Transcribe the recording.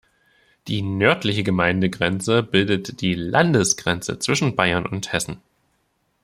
Die nördliche Gemeindegrenze bildet die Landesgrenze zwischen Bayern und Hessen.